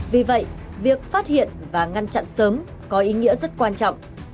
vì vậy việc phát hiện và ngăn chặn sớm có ý nghĩa rất quan trọng